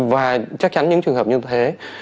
và chắc chắn những trường hợp như thế